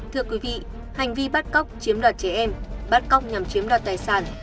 thưa quý vị hành vi bắt cóc chiếm đoạt trẻ em bắt cóc nhằm chiếm đoạt tài sản